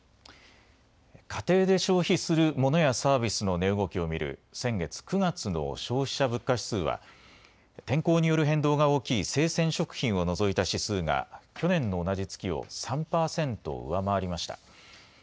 家庭で消費するモノやサービスの値動きを見る先月９月の消費者物価指数は天候による変動が大きい生鮮食品を除いた指数が去年の同じ月を３％上回りました。